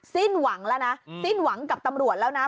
สิ้นหวังแล้วนะสิ้นหวังกับตำรวจแล้วนะ